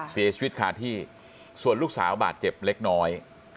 เสียชีวิตคาที่ส่วนลูกสาวบาดเจ็บเล็กน้อย